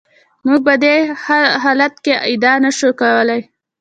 موږ په دې حالت کې ادعا نشو کولای.